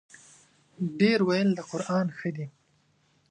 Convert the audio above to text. ډېر ویل د قران ښه دی.